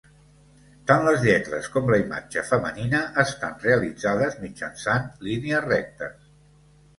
Tant les lletres com la imatge femenina, estan realitzades mitjançant línies rectes.